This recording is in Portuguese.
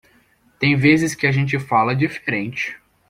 Tem vezes que a gente fala diferente.